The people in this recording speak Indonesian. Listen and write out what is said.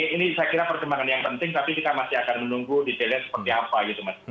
ini saya kira pertimbangan yang penting tapi kita masih akan menunggu detailnya seperti apa gitu mas